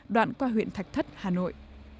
đoạn qua huyện thạch thất hà nội